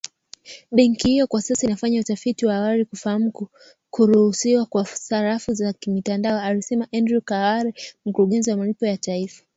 "Benki hiyo kwa sasa inafanya utafiti wa awali kufahamu kuruhusiwa kwa sarafu za kimtandao" alisema Andrew Kaware mkurugenzi wa malipo ya taifa